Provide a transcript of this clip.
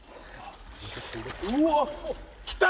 うわっきた！